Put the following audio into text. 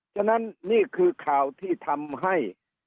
ฉะนั้นนี่คือข่าวที่ทำให้